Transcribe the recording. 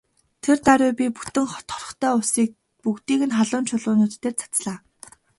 Тэр даруй би бүтэн торхтой усыг бүгдийг нь халуун чулуунууд дээр цацлаа.